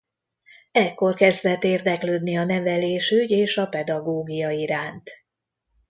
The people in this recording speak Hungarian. Ekkor kezdett érdeklődni a nevelésügy és a pedagógia iránt.